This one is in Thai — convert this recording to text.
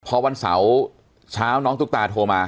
พอวันเสาร์เช้าน้องตุ๊กตาโทรมา